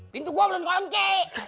pintu gua belain kongsi